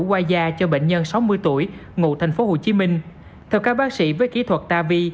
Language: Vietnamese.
qua da cho bệnh nhân sáu mươi tuổi ngụ thành phố hồ chí minh theo các bác sĩ với kỹ thuật tavi